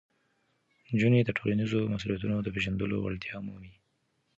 نجونې د ټولنیزو مسؤلیتونو د پېژندلو وړتیا مومي.